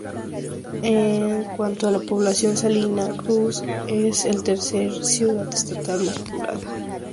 En cuanto a la población, Salina Cruz es la tercera ciudad estatal más poblada.